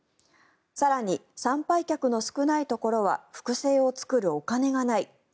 更に、参拝客の少ないところは複製を作るお金がない。